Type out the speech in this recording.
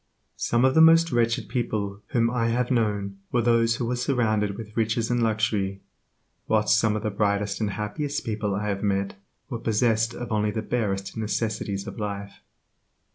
Some of the most wretched people whom I have known were those who were surrounded with riches and luxury, whilst some of the brightest and happiest people I have met were possessed of only the barest necessities of life.